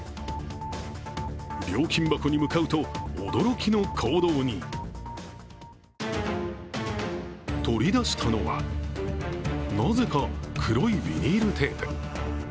料金箱に向かうと驚きの行動に取り出したのは、なぜか黒いビニールテープ。